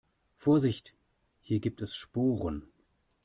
Vorsicht, hier gibt es Sporen.